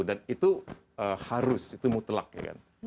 dan itu harus itu mutlak ya kan